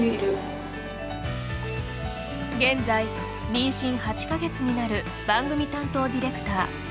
現在、妊娠８か月になる番組担当ディレクター。